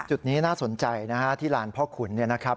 จุดนี้น่าสนใจนะฮะที่ลานพ่อขุนเนี่ยนะครับ